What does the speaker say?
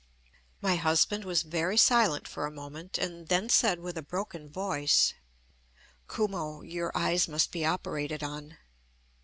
My husband was very silent for a moment, and then said with a broken voice: "Kumo, your eyes must be operated on."